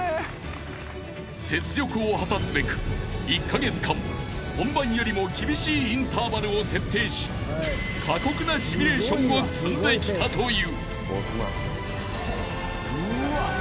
［雪辱を果たすべく１カ月間本番よりも厳しいインターバルを設定し過酷なシミュレーションを積んできたという］